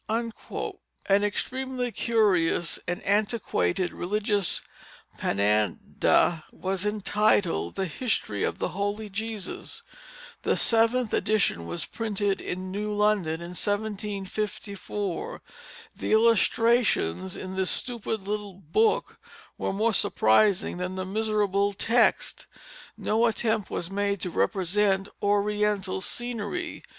[Illustration: Page of Hieroglyphick Bible] An extremely curious and antiquated religious panada was entitled the History of the Holy Jesus. The seventh edition was printed in New London in 1754. The illustrations in this stupid little book were more surprising than the miserable text. No attempt was made to represent Oriental scenery.